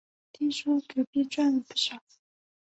听说隔壁赚了不少